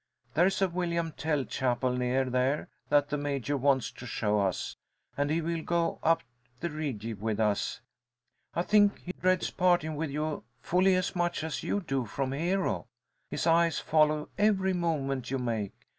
There is a William Tell chapel near there that the Major wants to show us, and he will go up the Rigi with us. I think he dreads parting with you fully as much as you do from Hero. His eyes follow every movement you make.